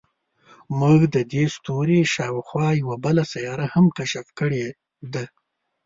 موږ د دې ستوري شاوخوا یوه بله سیاره هم کشف کړې ده.